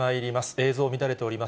映像、乱れております。